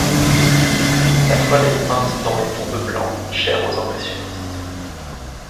La toile est peinte dans les tons de blanc, chers aux impressionnistes.